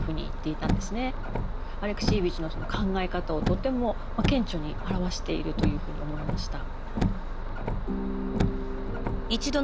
アレクシエーヴィチのその考え方をとても顕著に表しているというふうに思いました。